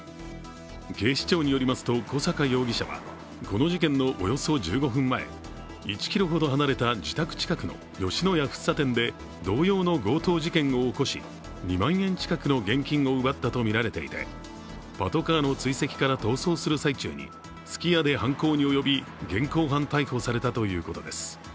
警視庁によりますと、小阪容疑者はこの事件のおよそ１５分前、１ｋｍほど離れた自宅近くの吉野家福生店で同様の強盗事件を起こし２万円近くの現金を奪ったとみられていて、パトカーの追跡から逃走する最中にすき家で犯行に及び、現行犯逮捕されたということです。